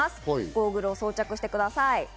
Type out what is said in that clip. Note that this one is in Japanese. ゴーグルを装着してください。